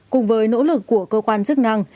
cùng với nỗ lực của cơ quan chức năng